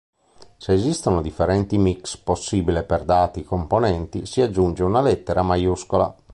Se esistono differenti mix possibile per dati componenti, si aggiunge una lettera maiuscola.